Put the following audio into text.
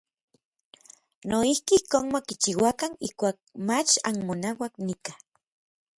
Noijki ijkon ma kichiuakan ijkuak mach anmonauak nikaj.